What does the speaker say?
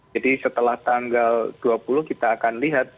jadi setelah tanggal dua puluh kita akan lihat